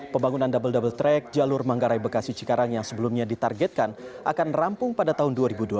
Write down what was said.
pembangunan double double track jalur manggarai bekasi cikarang yang sebelumnya ditargetkan akan rampung pada tahun dua ribu dua puluh